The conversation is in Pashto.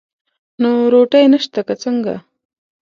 نو روټۍ نشته که څنګه؟